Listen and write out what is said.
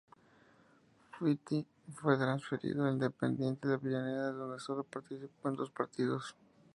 Vitti fue transferido al Independiente de Avellaneda donde solo participó en dos partidos.